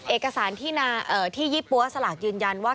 เอกสารที่ยี่ปั๊วสลากยืนยันว่า